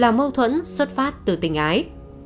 là mâu thuẫn xuất phát từ tình ái